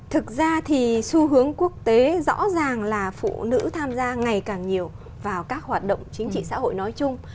thực ra thì xu hướng quốc tế rõ ràng là phụ nữ tham gia ngày càng nhiều vào các hoạt động chính trị xã hội nói chung